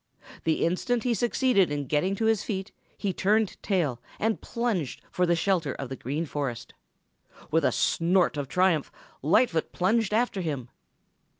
The instant he succeeded in getting to his feet he turned tail and plunged for the shelter of the Green Forest. With a snort of triumph, Lightfoot plunged after him.